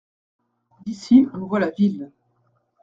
D’ici on voit la ville.